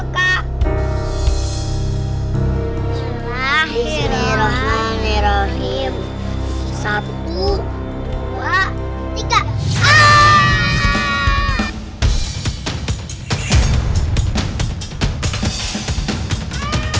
kita berdua dulu kak